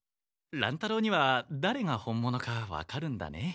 乱太郎にはだれが本物かわかるんだね。